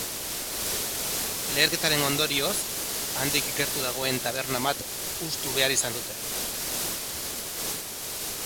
Leherketaren ondorioz, handik gertu dagoen taberna bat hustu behar izan dute.